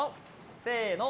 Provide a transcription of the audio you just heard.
せの。